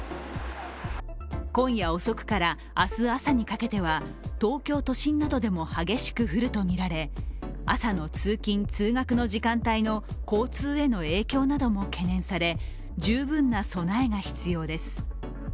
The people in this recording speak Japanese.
今夜遅くから明日朝にかけては東京都心などでも激しく降るとみられ、朝の通勤・通学の時間帯の交通への影響なども懸念され十分な備えが必要です。